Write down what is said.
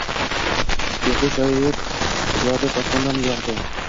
Suyukli shoir ijodi posbonlar nigohida